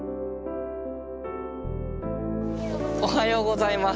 おはようございます。